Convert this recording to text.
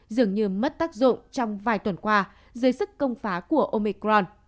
dường như mất tác dụng trong vài tuần qua dưới sức công phá của omicron